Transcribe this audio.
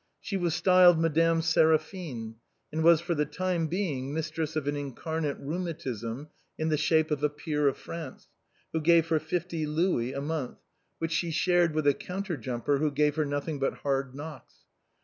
She was styled Madame Seraphine, and was for the time being mistress of an incarnate rheuma tism in the shape of a peer of France, who gave her fifty louis a month, which she shared with a counter jumper who MADEMOISELLE MIMI. 173 gave her nothing but hard knocks.